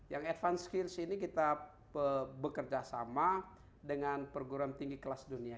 yang advance kirs ini kita bekerja sama dengan perguruan tinggi kelas dunia